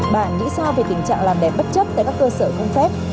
bạn nghĩ sao về tình trạng làm đẹp bất chấp tại các cơ sở không phép